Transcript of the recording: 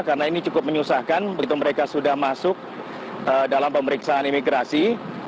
karena ini cukup menyusahkan begitu mereka sudah masuk dalam pemeriksaan imigrasi